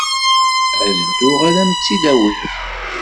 Ad dduɣ ad am-tt-id-awiɣ.